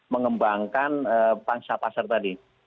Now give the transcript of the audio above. mengembangkan bank syaripasar tadi